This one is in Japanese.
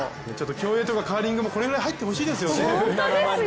競泳とかカーリングもこれぐらい入ってほしいですよね。